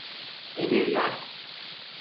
Emirler.